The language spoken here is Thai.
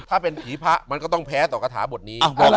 ถ้าเป็นผีพระมันก็ต้องแพ้ต่อกระถาบทนี้